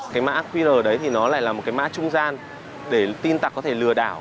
cái mã qr đấy thì nó lại là một cái mã trung gian để tin tặc có thể lừa đảo